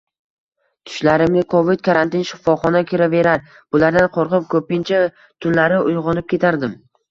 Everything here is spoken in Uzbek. Tushlarimga kovid, karantin, shifoxona kiraverar, bulardan qo`rqib, ko`pincha tunlari uyg`onib ketardim